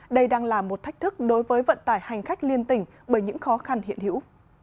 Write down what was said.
đây đang là một thách thức đối với vận tải hành khách liên tỉnh bởi những khó khăn hiện hữu